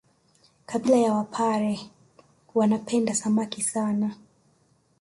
Kabila la wapare wanapenda Samaki sana